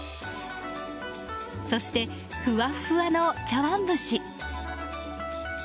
そして、ふわふわの茶わん蒸し。